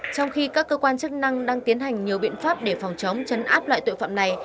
trong khi các cơ quan chức năng đang tiến hành nhiều biện pháp để phòng chống chấn áp loại tội phạm này